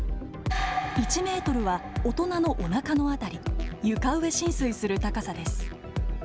１メートルは大人のおなかのあたり、床上浸水する高さです。